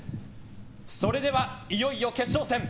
それでは、いよいよ決勝戦。